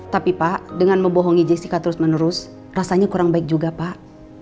tapi pak dengan membohongi jessica terus menerus rasanya kurang baik juga pak